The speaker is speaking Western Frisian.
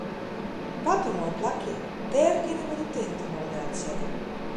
Wat in moai plakje, dêr kinne wy de tinte wol delsette.